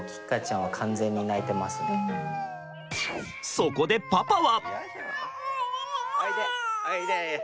そこでパパは。